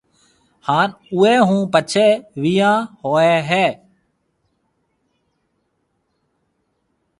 هانَ اُوئي هون پڇيَ ويهان هوئي هيَ۔